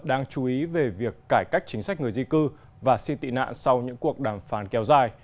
đáng chú ý về việc cải cách chính sách người di cư và xin tị nạn sau những cuộc đàm phán kéo dài